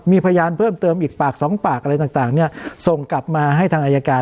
มีพยานเพิ่มเติมอีกปากสองปากอะไรต่างเนี่ยส่งกลับมาให้ทางอายการ